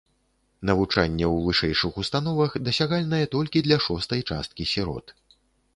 Навучанне ў вышэйшых установах дасягальнае толькі для шостай часткі сірот.